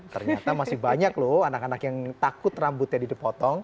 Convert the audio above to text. ternyata masih banyak loh anak anak yang takut rambutnya dipotong